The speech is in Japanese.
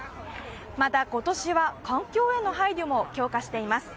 また、今年は環境への配慮も強化しています。